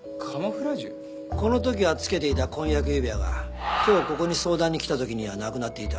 この時はつけていた婚約指輪が今日ここに相談に来た時にはなくなっていた。